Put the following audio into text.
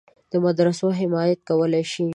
د مدرسو حمایت کولای شي.